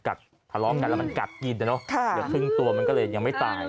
กัดทะเลาะกันแล้วมันกัดกินนะเนอะคื้นตัวมันก็เลยยังไม่ตาย